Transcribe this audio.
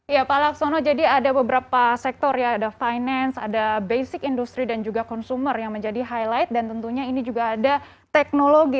ya pak laksono jadi ada beberapa sektor ya ada finance ada basic industry dan juga consumer yang menjadi highlight dan tentunya ini juga ada teknologi